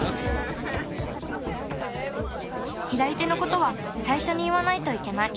左手のことはさいしょにいわないといけない。